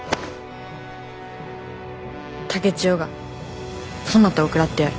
竹千代がそなたを食らってやる。